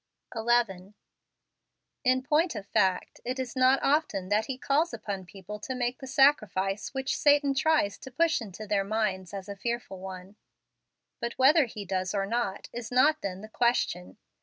11. In point of fact, it is not often that He calls upon people to make the sacrifice which Satan tries to push into their minds as a fearful one; but whether He does or not is not then the question.